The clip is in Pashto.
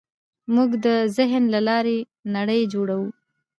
موږ د ذهن له لارې نړۍ جوړوو.